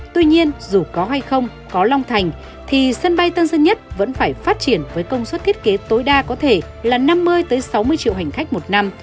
tuy nhiên dù có hay không có long thành thì sân bay tân sơn nhất vẫn phải phát triển với công suất thiết kế tối đa có thể là năm mươi sáu mươi triệu hành khách một năm